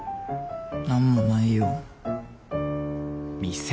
何もないよ。